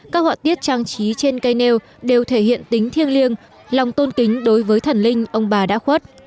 các họa tiết trang trí trên cây nêu đều thể hiện tính thiêng liêng lòng tôn kính đối với thần linh ông bà đã khuất